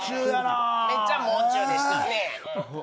めっちゃもう中でしたね。